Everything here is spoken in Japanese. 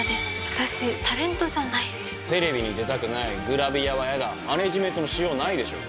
私タレントじゃないしテレビに出たくないグラビアは嫌だマネージメントのしようがないでしょ